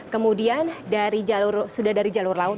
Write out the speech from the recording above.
kemudian dari jalur sudah dari jalur laut